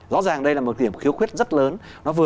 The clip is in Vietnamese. rõ ràng đây là một điểm khiếu khuyết rất lớn